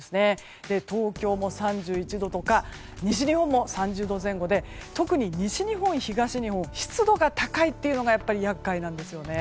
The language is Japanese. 東京も３１度とか西日本も３０度前後で特に西日本や東日本は湿度が高いというのが厄介なんですよね。